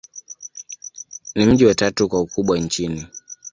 Ni mji wa tatu kwa ukubwa nchini.